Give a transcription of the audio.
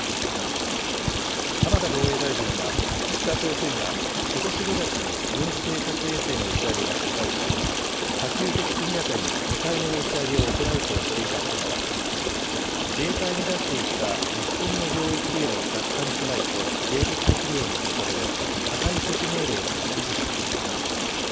浜田防衛大臣は、北朝鮮がことし５月に軍事偵察衛星の打ち上げに失敗し、可及的速やかに２回目の打ち上げを行うとしていたことから、自衛隊に出していた日本の領域への落下に備えて迎撃できるようにするための破壊措置命令を維持しています。